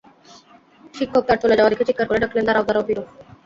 শিক্ষক তার চলে যাওয়া দেখে চিৎকার করে ডাকলেন, দাঁড়াও, দাঁড়াও পিরু।